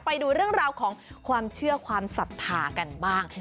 ไปดูเรื่องราวของความเชื่อความศรัทธากันบ้าง